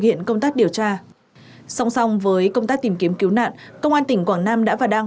hiện công tác điều tra song song với công tác tìm kiếm cứu nạn công an tỉnh quảng nam đã và đang